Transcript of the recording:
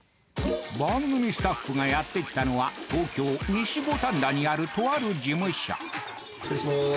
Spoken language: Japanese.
番組スタッフがやってきたのは東京・西五反田にあるとある事務所失礼します。